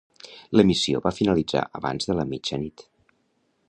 L'emissió va finalitzar abans de la mitjanit.